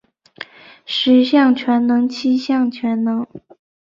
十项全能七项全能